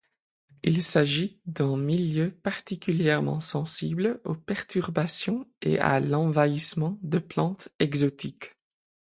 Il s'agit d'un milieu particulièrement sensible aux perturbations et à l'envahissement de plantes exotiques.